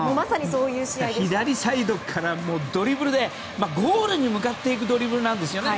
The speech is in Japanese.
左サイドからドリブルでゴールに向かっていくドリブルなんですよね